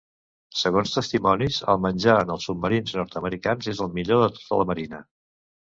Segons testimonis, el menjar en els submarins nord-americans és el millor de tota la marina.